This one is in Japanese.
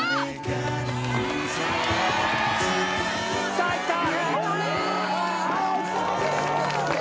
さあ行った！